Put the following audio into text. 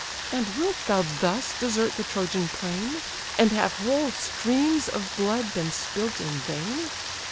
And wilt thou thus desert the Trojan plain? And have whole streams of blood been spilt in vain?